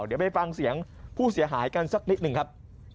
เดี๋ยวไปฟังเสียงผู้เสียหายกันสักนิดหนึ่งครับ